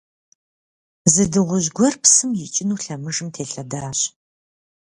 Зы дыгъужь гуэр псым икӀыну лъэмыжым телъэдащ.